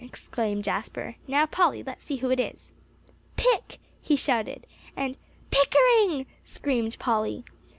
exclaimed Jasper. "Now, Polly, let's see who it is." "Pick!" he shouted. And "Pickering!" screamed Polly.